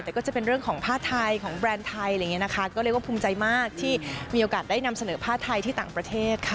แต่ก็จะเป็นเรื่องของผ้าไทยของแบรนด์ไทยอะไรอย่างนี้นะคะก็เรียกว่าภูมิใจมากที่มีโอกาสได้นำเสนอผ้าไทยที่ต่างประเทศค่ะ